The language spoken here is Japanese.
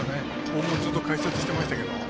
僕もずっと解説してましたけど。